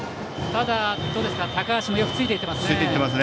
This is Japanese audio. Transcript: ただ、高橋もよくついていっていますね。